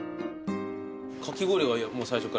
かき氷はもう最初から？